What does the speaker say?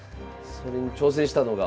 それに挑戦したのが。